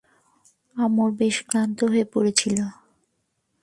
আমর বেশ ক্লান্ত হয়ে পড়েছিল।